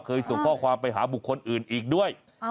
ส่งข้อความไปหาบุคคลอื่นอีกด้วย